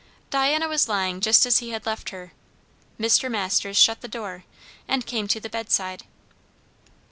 Diana was lying just as he had left her. Mr. Masters shut the door, and came to the bedside.